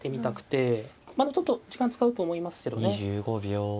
またちょっと時間使うと思いますけどね。